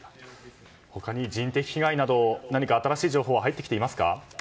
他に人的被害など新しい情報は入ってきていますか？